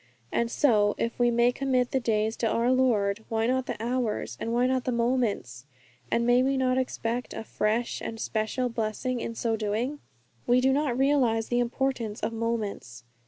And so, if we may commit the days to our Lord, why not the hours, and why not the moments? And may we not expect a fresh and special blessing in so doing? We do not realize the importance of moments.